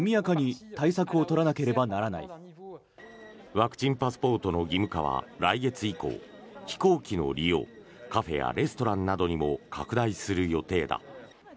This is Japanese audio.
ワクチンパスポートの義務化は来月以降飛行機の利用カフェやレストランなどにも拡大する予定だ。